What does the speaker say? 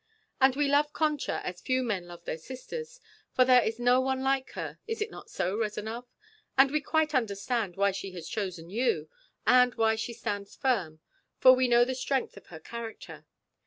And we love Concha as few men love their sisters, for there is no one like her is it not so, Rezanov? And we quite understand why she has chosen you, and why she stands firm, for we know the strength of her character.